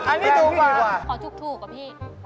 ขอถูกกับพี่